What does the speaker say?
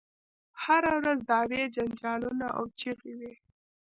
هره ورځ دعوې جنجالونه او چیغې وي.